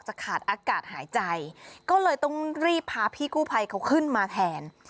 ขาดอากาศหายใจก็เลยต้องรีบพาพี่กู้ภัยเขาขึ้นมาแทน